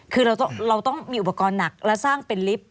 คือเราต้องมีอุปกรณ์หนักและสร้างเป็นลิฟต์